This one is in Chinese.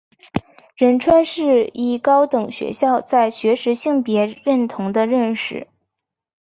仁川世一高等学校在学时性别认同的认识。